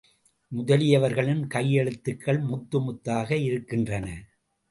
முதலியவர்களின் கையெழுத்துகள் முத்து முத்தாக இருக்கின்றன.